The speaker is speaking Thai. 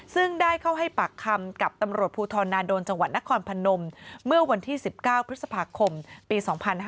ซึ่งได้เข้าให้ปากคำกับตำรวจภูทรนาโดนจังหวัดนครพนมเมื่อวันที่๑๙พฤษภาคมปี๒๕๕๙